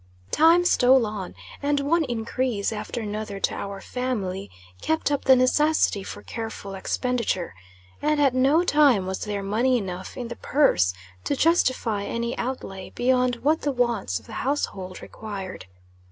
Time stole on, and one increase after another to our family, kept up the necessity for careful expenditure, and at no time was there money enough in the purse to justify any outlay beyond what the wants of the household required.